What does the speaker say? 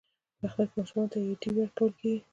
په اختر کې ماشومانو ته ایډي ورکول کیږي.